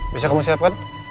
bisa kamu siapkan